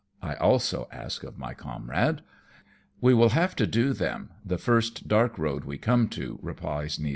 " I also ask of my comrade. " We will have to do them, the first dark road we come to," replies Nealance.